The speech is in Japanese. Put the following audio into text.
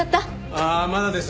ああまだです。